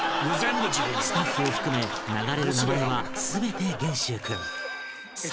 スタッフを含め流れる名前は全て元秀君